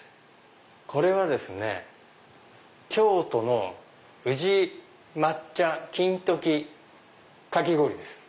これはですね京都の宇治抹茶金時かき氷です。